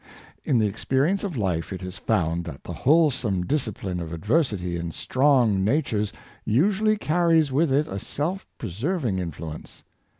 In the experi ence of life it is found that the wholesome discipline of adversity in strong natures usually carries with it a self preserving influence.